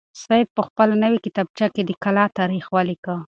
سعید په خپله نوې کتابچه کې د کلا تاریخ ولیکه.